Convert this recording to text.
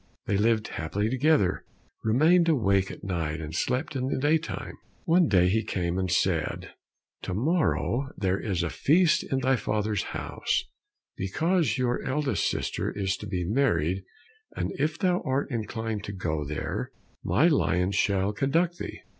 They lived happily together, remained awake at night, and slept in the daytime. One day he came and said, "To morrow there is a feast in thy father's house, because your eldest sister is to be married, and if thou art inclined to go there, my lions shall conduct thee."